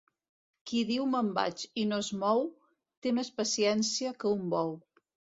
Qui diu me'n vaig i no es mou, té més paciència que un bou.